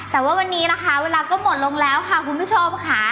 แต่ว่าวันนี้นะคะเวลาก็หมดลงแล้วค่ะคุณผู้ชมค่ะ